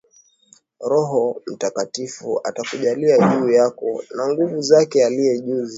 Roho Mtakatifu atakujilia juu yako na nguvu zake Aliye juu zitakufunika kama kivuli